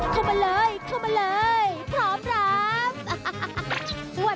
เข้ามาเลยเข้ามาเลยพร้อมรับ